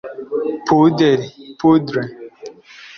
puderi (Poudre)